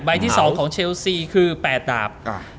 ที่๒ของเชลซีคือ๘ดาบ